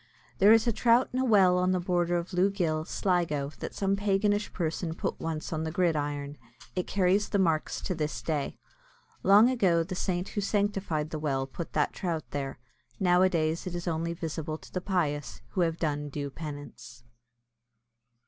There is a trout in a well on the border of Lough Gill, Sligo, that some paganish person put once on the gridiron. It carries the marks to this day. Long ago, the saint who sanctified the well put that trout there. Nowadays it is only visible to the pious, who have done due penance.